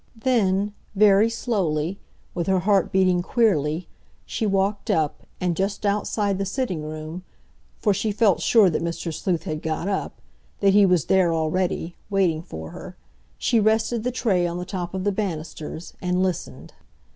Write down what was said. Then, very slowly, with her heart beating queerly, she walked up, and just outside the sitting room—for she felt sure that Mr. Sleuth had got up, that he was there already, waiting for her—she rested the tray on the top of the banisters and listened.